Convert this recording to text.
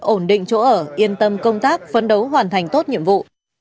ổn định chỗ ở yên tâm công tác phấn đấu hoàn thành tốt nhiệm vụ